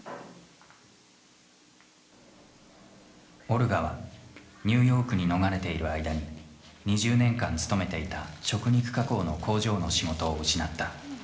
オルガはニューヨークに逃れている間に２０年間勤めていた食肉加工の工場の仕事を失った。